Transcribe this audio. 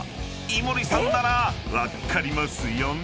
［井森さんなら分かりますよね？］